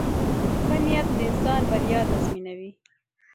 • ښه نیت د انسان بریا تضمینوي.